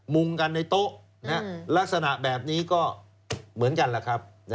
มุงกันในโต๊ะลักษณะแบบนี้ก็เหมือนกันแหละครับ